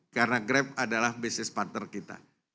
karena grab adalah business partner kita